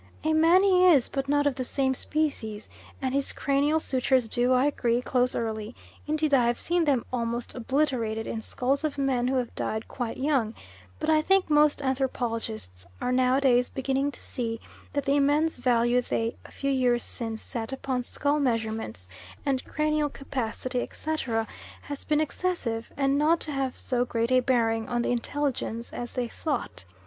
A man he is, but not of the same species; and his cranial sutures do, I agree, close early; indeed I have seen them almost obliterated in skulls of men who have died quite young; but I think most anthropologists are nowadays beginning to see that the immense value they a few years since set upon skull measurements and cranial capacity, etc., has been excessive and not to have so great a bearing on the intelligence as they thought.